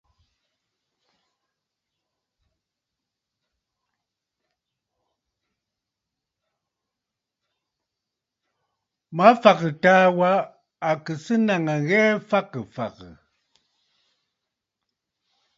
Mafàgə̀ taà wa à kɨ̀ sɨ́ nàŋə̀ ŋghɛɛ fagə̀ fàgə̀.